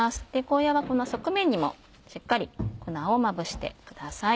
ゴーヤはこの側面にもしっかり粉をまぶしてください。